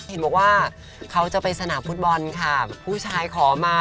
เห็นบอกว่าเขาจะไปสนามฟุตบอลค่ะผู้ชายขอมา